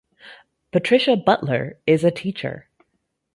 Patricia Butler is a teacher.